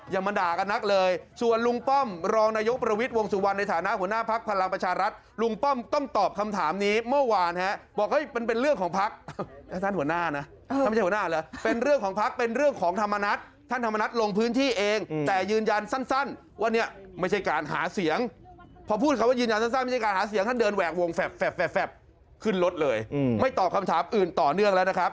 อย่ามันด่ากันนักเลยส่วนลุงป้อมรองนายกประวิทย์วงสุวรรณในฐานะหัวหน้าภักดิ์พลังประชารัฐลุงป้อมต้องตอบคำถามนี้เมื่อวานฮะบอกว่าเป็นเรื่องของภักดิ์ท่านหัวหน้านะเป็นเรื่องของภักดิ์เป็นเรื่องของธรรมนัสท่านธรรมนัสลงพื้นที่เองแต่ยืนยันสั้นว่าเนี่ยไม่ใช่การหาเสียงพอพูดค